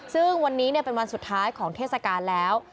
ซึ่งวันนี้เป็นวันสุดท้ายของเทศกาลแล้ว